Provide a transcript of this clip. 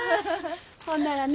ほんならね。